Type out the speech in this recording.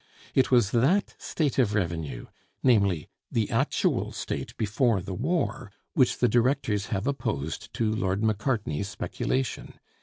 It was that state of revenue (namely, the actual state before the war) which the directors have opposed to Lord Macartney's speculation.